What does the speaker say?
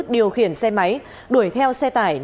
điều khiển xe máy đuổi theo xe tải